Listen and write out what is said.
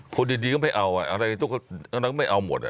คนดีก็ไม่เอาอะไรก็ไม่เอาหมด